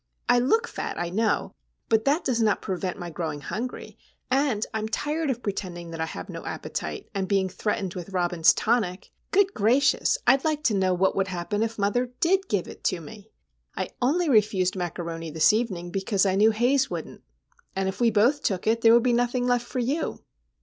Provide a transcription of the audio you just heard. I look fat, I know; but that does not prevent my growing hungry, and I'm tired of pretending that I have no appetite, and being threatened with Robin's tonic! Good gracious,—I'd like to know what would happen if mother did give it to me! I only refused macaroni this evening because I knew Haze wouldn't; and if we both took it, there would be nothing left for you.